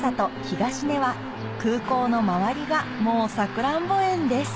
東根は空港の周りがもうサクランボ園です